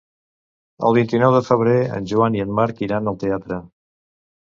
El vint-i-nou de febrer en Joan i en Marc iran al teatre.